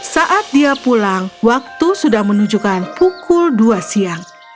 saat dia pulang waktu sudah menunjukkan pukul dua siang